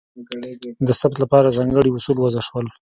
د ثبت لپاره ځانګړي اصول وضع شول.